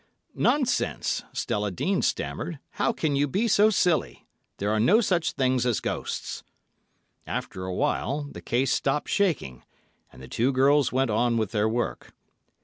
"'Nonsense,' Stella Dean stammered. 'How can you be so silly! There are no such things as ghosts.' "After a while, the case stopped shaking, and the two girls went on with their work.